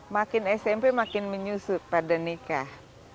makin smp makin menyusut pada nikah